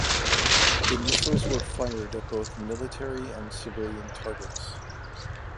The missiles were fired at both military and civilian targets.